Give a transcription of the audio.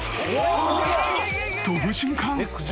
［飛ぶ瞬間］